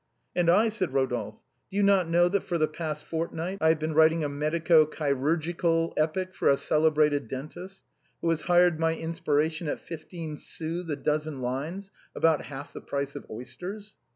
" And I," said Rodolphe, " do not you know that for the past fortnight I have been writing a medico chirurgical epic for a celebrated dentist, who has hired my inspiration at fifteen sous the dozen lines, about half the price of oysters?